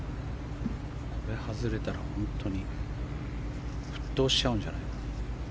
これ外れたら本当に沸騰しちゃうんじゃないか。